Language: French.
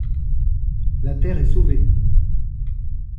La Terre est sauvée.